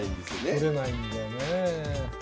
取れないんだよね。